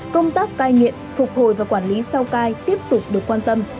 công tác cai nghiện phục hồi và quản lý sao cai tiếp tục được quan tâm